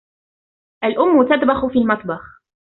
الأم تطبخ في المطبخ.